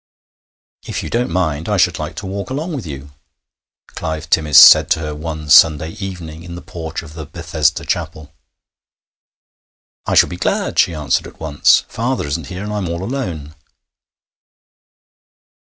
'If you don't mind, I should like to walk along with you,' Clive Timmis said to her one Sunday evening in the porch of the Bethesda Chapel. 'I shall be glad,' she answered at once; 'father isn't here, and I'm all alone.'